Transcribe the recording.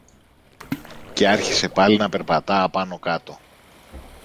Και άρχισε πάλι να περπατά απάνω-κάτω.